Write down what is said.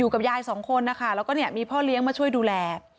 กับยายสองคนนะคะแล้วก็เนี่ยมีพ่อเลี้ยงมาช่วยดูแล